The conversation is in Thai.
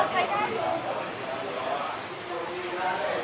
ก็อยากได้เลย